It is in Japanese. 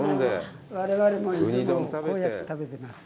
我々もこうやって食べてます。